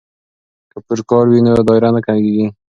که پرکار وي نو دایره نه کږیږي.